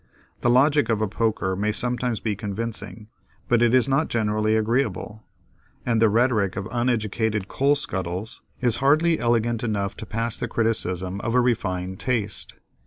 The logic of a poker may sometimes be convincing, but it is not generally agreeable; and the rhetoric of uneducated coal scuttles is hardly elegant enough to pass the criticism of a refined taste.